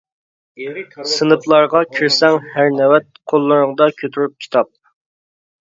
سىنىپلارغا كىرسەڭ ھەر نۆۋەت، قوللىرىڭدا كۆتۈرۈپ كىتاب.